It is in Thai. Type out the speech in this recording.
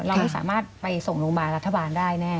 เราไม่สามารถไปส่งโรงพยาบาลรัฐบาลได้แน่